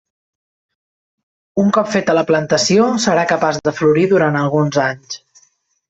Un cop feta la plantació, serà capaç de florir durant alguns anys.